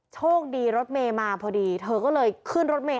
โชคดีรถเมย์มาพอดีเธอก็เลยขึ้นรถเมย